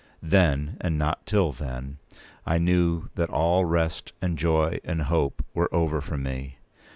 Then, and not till then, I knew that all rest, and joy, and hope were over for me.